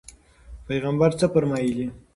پیغمبر څه فرمایلي؟